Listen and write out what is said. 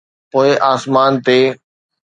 پوءِ آسمان تي.